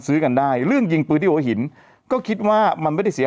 ซื้อกันได้เรื่องยิงปืนที่หัวหินก็คิดว่ามันไม่ได้เสีย